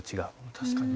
確かに。